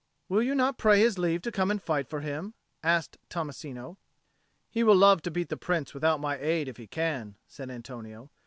"Will you not pray his leave to come and fight for him?" asked Tommasino. "He will love to beat the Prince without my aid, if he can," said Antonio.